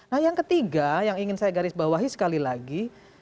nah yang ketiga yang ingin saya garis bawahi sekali lagi